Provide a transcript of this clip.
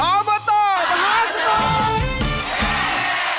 อาวุธต่อมหาสุด